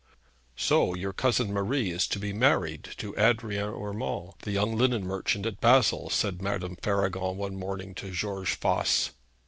'So your cousin Marie is to be married to Adrian Urmand, the young linen merchant at Basle,' said Madame Faragon one morning to George Voss.